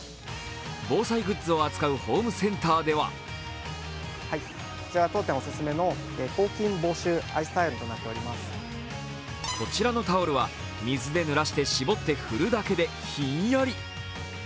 防災グッズを扱うホームセンターではこちらのタオルは水でぬらして絞って振るだけでひんやり。